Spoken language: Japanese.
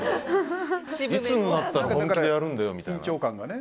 いつになったら本気でやるんだよみたいな。